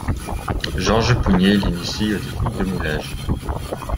Georges Pougnier l'initie aux techniques de moulage.